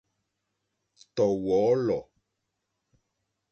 Tɔ̀ wɔ̌lɔ̀.